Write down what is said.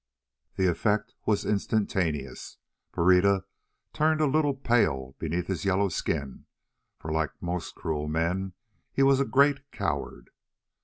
The effect was instantaneous. Pereira turned a little pale beneath his yellow skin, for like most cruel men he was a great coward.